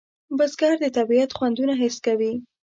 بزګر د طبیعت خوندونه حس کوي